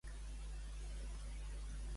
Un dia que altre.